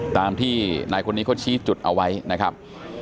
ตามที่นายคนนี้เขาชี้จุดเอาไว้นะครับ